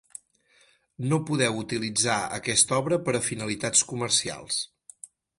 No podeu utilitzar aquesta obra per a finalitats comercials.